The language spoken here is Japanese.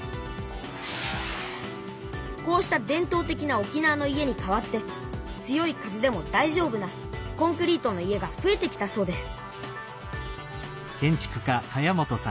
こうした伝とう的な沖縄の家に代わって強い風でもだいじょうぶなコンクリートの家がふえてきたそうです